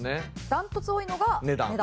断トツ多いのが値段。